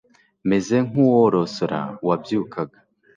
meze nkuworosora uwabyukaga